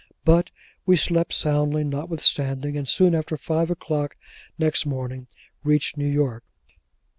But we slept soundly, notwithstanding, and soon after five o'clock next morning reached New York.